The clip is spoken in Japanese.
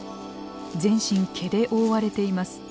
全身毛で覆われています。